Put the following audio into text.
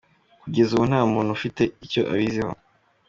Kugeza ubu nta muntu ufite icyo abiziho.